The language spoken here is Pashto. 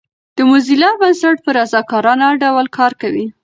د موزیلا بنسټ په رضاکارانه ډول کار کوي.